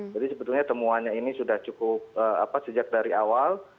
jadi sebetulnya temuannya ini sudah cukup sejak dari awal